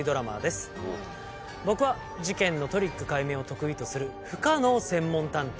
僕は事件のトリック解明を得意とする不可能専門探偵